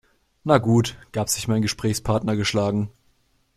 Na gut, gab sich mein Gesprächspartner geschlagen.